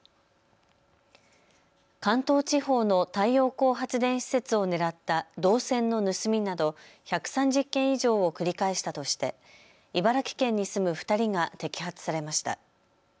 関東地方の太陽光発電施設を狙った銅線の盗みなど１３０件以上を繰り返したとして茨城県に住む２人が摘発されました。